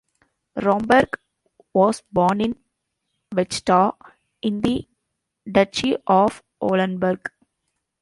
Romberg was born in Vechta, in the Duchy of Oldenburg.